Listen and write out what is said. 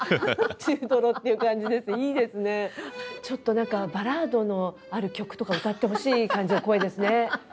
ちょっと何かバラードのある曲とか歌ってほしい感じの声ですね。